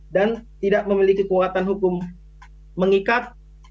dan tidak memiliki kekuatan hukum mengikat